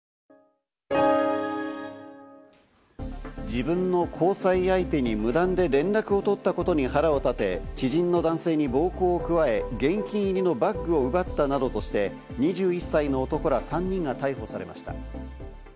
自分の交際相手に無断で連絡を取ったことに腹を立て、知人の男性に暴行を加え、現金入りのバッグを奪ったなどとして、２１歳の男ら３人が逮捕されました。